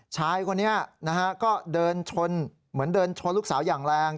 ชายคนนี้นะฮะก็เดินชนเหมือนเดินชนลูกสาวอย่างแรง